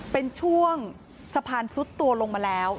เป็นช่วงสะพานซุดตัวลงมาแล้ว